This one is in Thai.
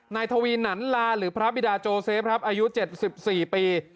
นายทวีนั่นลาหรือพระบีดาโจเซฟอายุ๗๔ปี